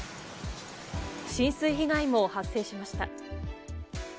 浸水被害も発生しました。